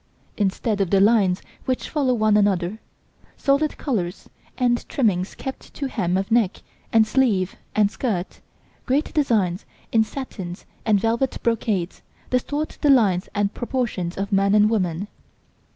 Instead of the lines which follow one another, solid colours, and trimmings kept to hem of neck and sleeve and skirt, great designs, in satins and velvet brocades, distort the lines and proportions of man and woman.